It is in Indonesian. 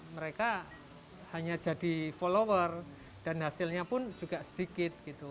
mereka hanya jadi follower dan hasilnya pun juga sedikit gitu